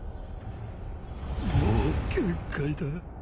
もう限界だ。